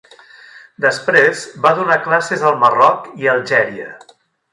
Després, va donar classes al Marroc i a Algèria.